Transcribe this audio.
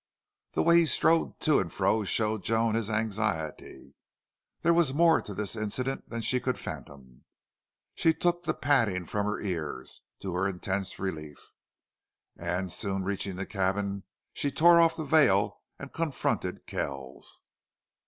The way he strode to and fro showed Joan his anxiety. There was more to this incident than she could fathom. She took the padding from her ears, to her intense relief, and, soon reaching the cabin, she tore off the veil and confronted Kells.